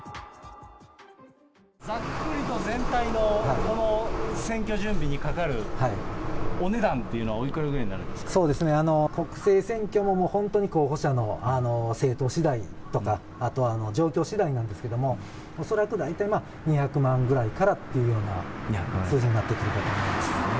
ざっくりと全体のこの選挙準備にかかるお値段というのは、そうですね、国政選挙も、本当に候補者の政党しだいとか、あとは状況しだいなんですけれども、恐らく大体まあ２００万ぐらいからっていうような数字になってくるかと思います。